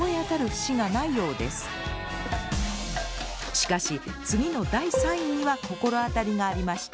しかし次の第３位には心当たりがありました。